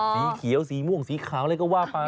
สีเขียวสีม่วงสีขาวอะไรก็ว่าไป